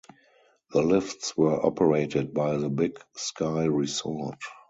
The lifts were operated by the Big Sky Resort.